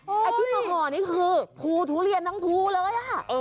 เออติมมห่อนี่คือภูทุเรียนทั้งภูเลย